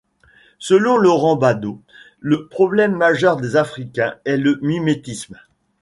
Selon Laurent Bado, le problème majeur des Africains est le mimétisme.